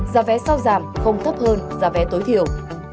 giá vé sau giảm không thấp hơn giá vé tối thiểu